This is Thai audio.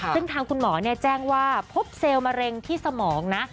ซึ่งทางคุณหมอแจ้งว่าพบเซลล์มะเร็งที่สมองนะ